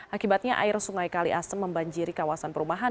akibatnya air sungai kali asem membanjiri kawasan perumahan